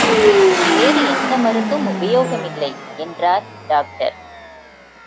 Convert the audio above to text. வேறு எந்த மருந்தும் உபயோகமில்லை என்றார் டாக்டர்.